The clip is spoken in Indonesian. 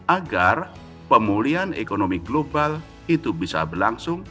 agar pemulihan ekonomi global itu bisa berlangsung